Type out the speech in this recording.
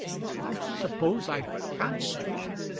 "I suppose I can't, sir."